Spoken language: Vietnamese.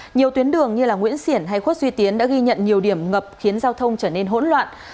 nhiều tuyến đường như nguyễn xiển hay khuất duy tiến đã ghi nhận nhiều điểm ngập khiến giao thông trở nên hỗn loạn